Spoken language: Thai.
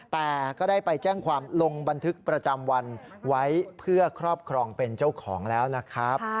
แต่ก็ได้ไปแจ้งความลงบันทึกประจำวันไว้เพื่อครอบครองเป็นเจ้าของแล้วนะครับ